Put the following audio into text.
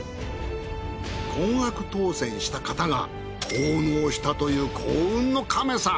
高額当選した方が奉納したという幸運の亀さん。